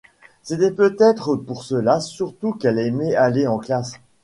C’était peut-être pour cela surtout qu’il aimait aller en classe.